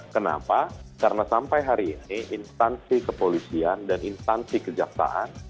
kenapa karena sampai hari ini instansi kepolisian dan instansi kejaksaan